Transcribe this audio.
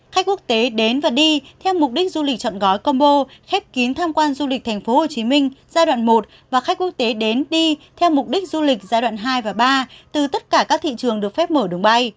khách quốc tế đến và đi theo mục đích du lịch chọn gói combo khép kín tham quan du lịch tp hcm giai đoạn một và khách quốc tế đến đi theo mục đích du lịch giai đoạn hai và ba từ tất cả các thị trường được phép mở đường bay